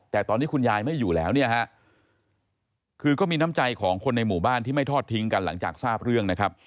แต่ตอนนี้คุณยายไม่อยู่แล้วเนี่ยฮะคือก็มีน้ำใจของคนในหมู่บ้านที่ไม่ทอดทิ้งกันหลังจากทราบเรื่องนะครับ